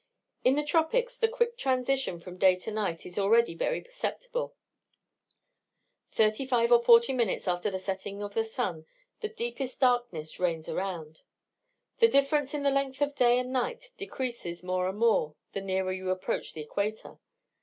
In the tropics the quick transition from day to night is already very perceptible; 35 or 40 minutes after the setting of the sun the deepest darkness reigns around. The difference in the length of day and night decreases more and more the nearer you approach the Equator.